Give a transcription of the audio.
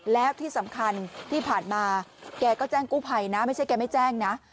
แล้วที่สำคัญที่ผ่านมาแกก็แจ้งกู้ภัยนะไม่ใช่แกไม่แจ้งนะ